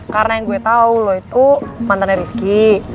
karena yang gue tau lo itu mantannya rifki